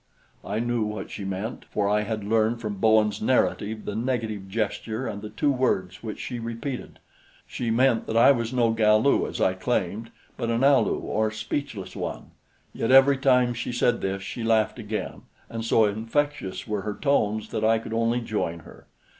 I knew what she meant, for I had learned from Bowen's narrative the negative gesture and the two words which she repeated. She meant that I was no Galu, as I claimed, but an Alu, or speechless one. Yet every time she said this she laughed again, and so infectious were her tones that I could only join her.